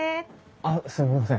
あっすみません。